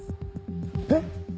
えっ！